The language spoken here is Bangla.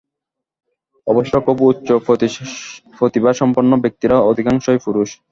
অবশ্য খুব উচ্চ প্রতিভাসম্পন্ন ব্যক্তিরা অধিকাংশই পুরুষ।